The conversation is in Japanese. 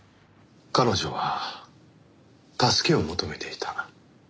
彼女は助けを求めていた。